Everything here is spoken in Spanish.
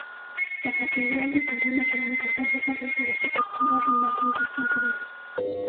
La catedral de Turín es el único ejemplo concreto de arquitectura renacentista en Turín.